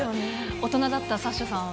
大人だったサッシャさんは。